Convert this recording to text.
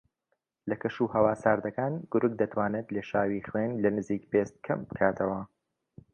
لە کەش و ھەوا ساردەکان گورگ دەتوانێت لێشاوی خوێن لە نزیک پێست کەم بکاتەوە